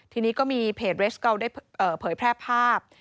ทีนี้ก็มีเพจเรสเกาได้เผยแพร่ภาพ